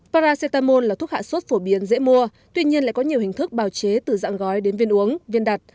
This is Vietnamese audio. paracetamol là thuốc hạ sốt phổ biến dễ mua tuy nhiên lại có nhiều hình thức bào chế từ dạng gói đến viên uống viên đặt